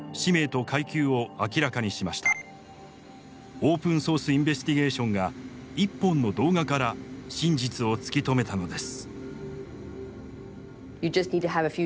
オープンソース・インベスティゲーションが一本の動画から真実を突き止めたのです。